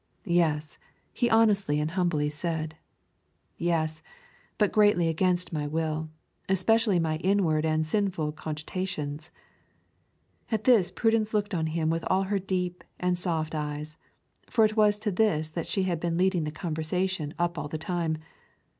'Yes,' he honestly and humbly said. 'Yes, but greatly against my will: especially my inward and sinful cogitations.' At this Prudence looked on him with all her deep and soft eyes, for it was to this that she had been leading the conversation up all the time.